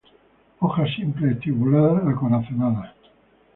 Hojas simples, estipuladas, acorazonadas.